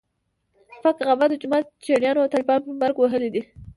پک غوبه د جومات چړیانو او طالبانو په مرګ وهلی دی.